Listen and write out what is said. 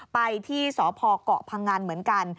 ไปที่สพเกาะพังงันเหมือนกัน